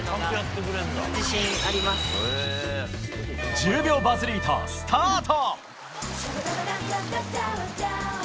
１０秒バズリート、スタート。